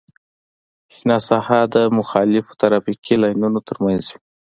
شنه ساحه د مخالفو ترافیکي لاینونو ترمنځ وي